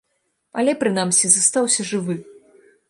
Але, прынамсі, застаўся жывы.